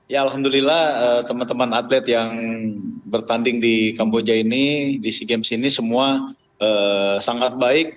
ya alhamdulillah teman teman atlet yang bertanding di kamboja ini di sea games ini semua sangat baik